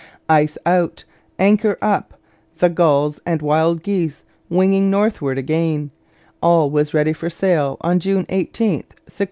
Ice out, anchor up, the gulls and wild geese winging northward again all was ready for sail on June 18, 1611.